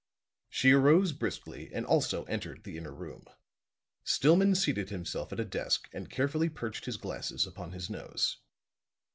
She arose briskly and also entered the inner room. Stillman seated himself at a desk and carefully perched his glasses upon his nose.